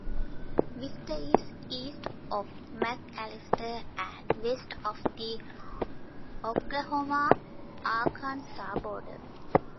Wister is east of McAlester and west of the Oklahoma-Arkansas border.